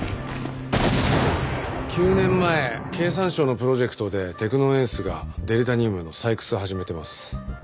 ９年前経産省のプロジェクトでテクノエンスがデリタニウムの採掘を始めてます。